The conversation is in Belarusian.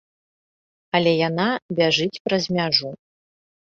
Але яна бяжыць праз мяжу.